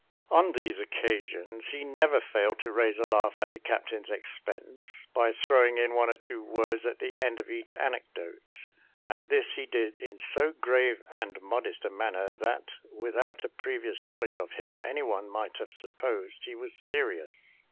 On these occasions, he never failed to raise a laugh at the captain's expense, by throwing in one or two words at the end of each anecdote; and this he did in so grave and modest a manner, that without a previous knowledge of him, anyone might have supposed he was serious.